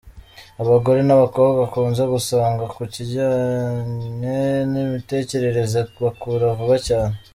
Abagore n’abakobwa ukunze gusanga ku kijyanye n’imitekerereze bakura vuba cyane.